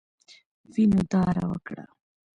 وینو داره وکړه.